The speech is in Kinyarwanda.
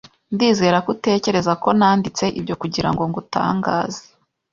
Ndizera ko utekereza ko nanditse ibyo kugirango ngutangaze.